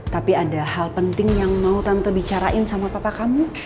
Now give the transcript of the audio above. tapi ada hal penting yang mau tante bicarain sama papa kamu